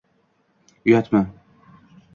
uyatmi